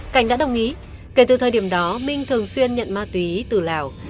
cảnh đã đồng ý kể từ thời điểm đó minh thường xuyên nhận ma túy từ lào